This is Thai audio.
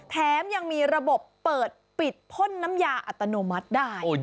แถมยังมีระบบเปิดปิดพ่นน้ำยาอัตโนมัติได้